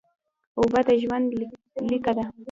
اوبه د ژوند لیکه ده